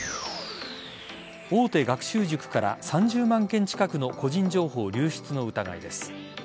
大手学習塾から３０万件近くの個人情報流出の疑いです。